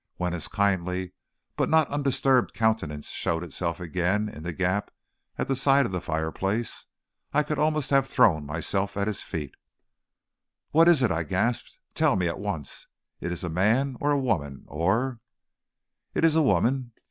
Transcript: When his kindly but not undisturbed countenance showed itself again in the gap at the side of the fireplace, I could almost have thrown myself at his feet. "What is it?" I gasped. "Tell me at once. Is it a man or a woman or " "It is a woman.